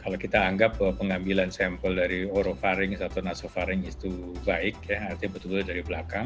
kalau kita anggap pengambilan sampel dari orofaring atau nasofaring itu baik ya artinya betul betul dari belakang